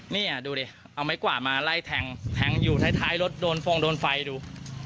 นี่ดูดิเอาไม้กวาดมาไล่แทงแทงอยู่ท้ายรถโดนฟองโดนไฟดู